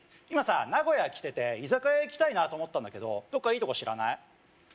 今さ名古屋来てて居酒屋行きたいなと思ったんだけどどっかいいとこ知らない？